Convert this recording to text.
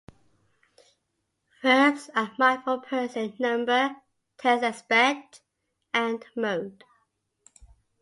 Verbs are marked for person, number, tense-aspect, and mode.